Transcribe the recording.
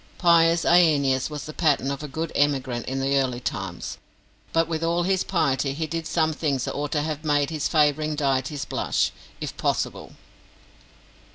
Pious Aeneas was the pattern of a good emigrant in the early times, but with all his piety he did some things that ought to have made his favouring deities blush, if possible.